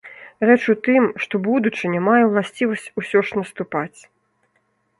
Рэч у тым, што будучыня мае ўласцівасць усё ж наступаць.